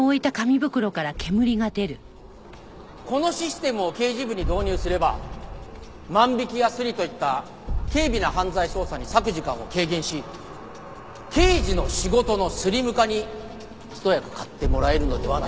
このシステムを刑事部に導入すれば万引きやスリといった軽微な犯罪捜査に割く時間を軽減し刑事の仕事のスリム化にひと役買ってもらえるのではないかと。